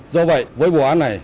do vậy với vụ án này